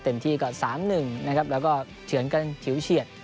ที่ก็๓๑นะครับแล้วก็เฉือนกันผิวเฉียด